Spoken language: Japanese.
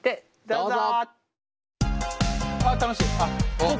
どうぞ。